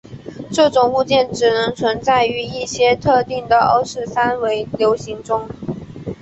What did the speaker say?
这种物件只能存在于一些特定的欧氏三维流形中。